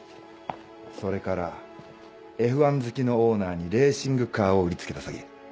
それからＦ１好きのオーナーにレーシングカーを売り付けた詐欺。